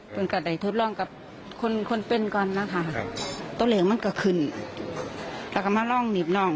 ก็ได้ทดลองกับคนคนเป็นก่อนนะคะตัวเลขมันก็ขึ้นแล้วก็มาลองหนีบน่อง